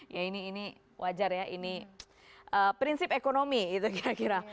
ya ini wajar ya ini prinsip ekonomi gitu kira kira